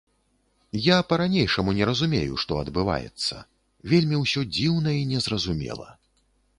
Я па-ранейшаму не разумею, што адбываецца, вельмі ўсё дзіўна і незразумела.